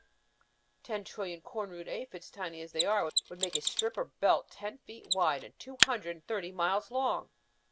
Ten trillion corn root aphids, tiny as they are, would make a strip or belt ten feet wide and two hundred and thirty miles long!